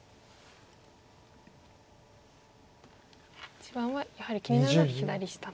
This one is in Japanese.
一番はやはり気になるのは左下と。